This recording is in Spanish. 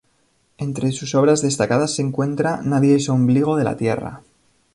Entre sus obras destacadas se encuentra "Nadie es ombligo en la tierra.